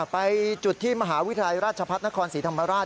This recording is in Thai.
ไปจุดที่มหาวิทยาลัยราชพัฒนครศรีธรรมราช